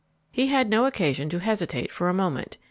He had no occasion to hesitate for a moment.